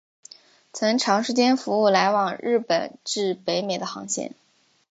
曾长时间服务来往日本至北美的航线。